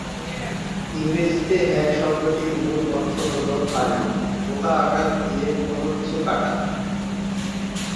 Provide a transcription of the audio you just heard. ইংরেজিতে "হ্যাক" শব্দটির মূল অর্থ হল ভারী, ভোঁতা আঘাত দিয়ে দিয়ে কোনও কিছু কাটা।